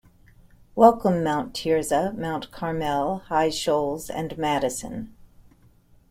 Welcome, Mount Tirzah, Mount Carmel, High Shoals, and Madison.